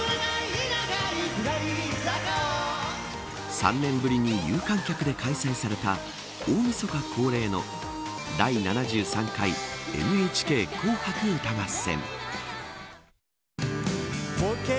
３年ぶりに有観客で開催された大みそか恒例の第７３回ＮＨＫ紅白歌合戦。